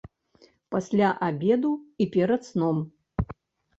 Пасля абеду і перад сном.